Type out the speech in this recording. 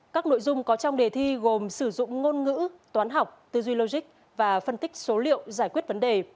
các nội dung có trong đề thi gồm sử dụng ngôn ngữ toán học tư duy logic và phân tích số liệu giải quyết vấn đề